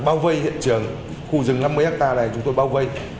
bao vây hiện trường khu rừng năm mươi hectare này chúng tôi bao vây